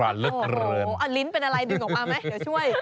อ้าวลิ้นเป็นอะไรดื่นออกมาไหมจะช่วย